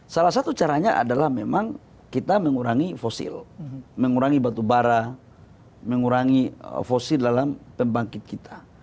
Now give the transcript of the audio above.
salah satu caranya adalah memang kita mengurangi fosil mengurangi batu bara mengurangi fosil dalam pembangkit kita